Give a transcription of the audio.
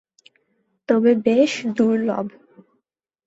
তবে বেশ দুর্লভ।